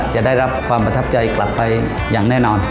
จะได้รับความประทับใจกลับไปอย่างแน่นอน